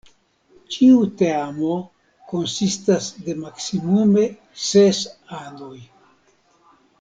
Ĉiu teamo konsistas de maksimume ses anoj.